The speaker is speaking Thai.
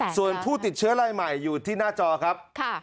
ส่วนผู้ติดเชื้อรายใหม่อยู่ที่หน้าจอครับ